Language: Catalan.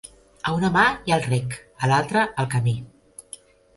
A una mà hi ha el rec, a l'altra el camí.